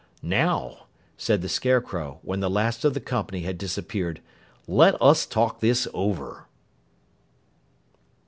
"Now," said the Scarecrow when the last of the company had disappeared, "let us talk this over."